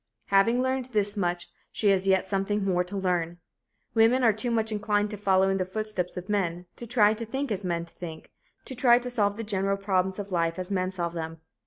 Having learned this much, she has yet something more to learn. Women are too much inclined to follow in the footsteps of men, to try to think as men think, to try to solve the general problems of life as men solve them.